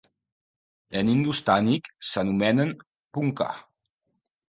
En hindustànic s'anomenen "punkah".